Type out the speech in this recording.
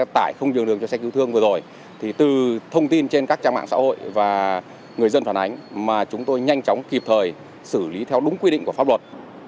trong đó có cả những thông tin từ các trang mạng xã hội và người dân phản ánh mà chúng tôi nhanh chóng kịp thời xử lý theo đúng quy định của pháp luật